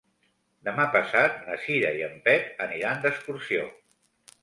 Demà passat na Cira i en Pep aniran d'excursió.